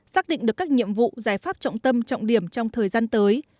xác định được các nhiệm vụ giải pháp trọng tâm trọng điểm trong thời gian tới